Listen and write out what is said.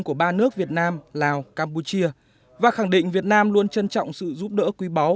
của ba nước việt nam lào campuchia và khẳng định việt nam luôn trân trọng sự giúp đỡ quý báu